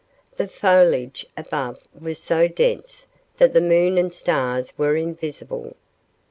The foliage above was so dense that the moon and stars were invisible.